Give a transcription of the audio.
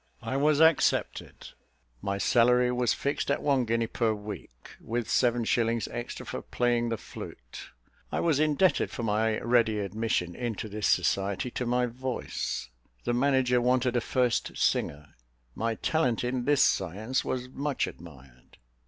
I was accepted; my salary was fixed at one guinea per week, with seven shillings extra for playing the flute. I was indebted for my ready admission into this society to my voice: the manager wanted a first singer. My talent in this science was much admired.